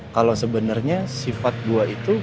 kalau sebenarnya sifat gua itu